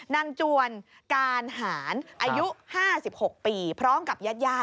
จวนการหารอายุ๕๖ปีพร้อมกับญาติ